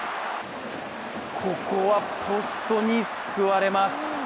ここはポストに救われます。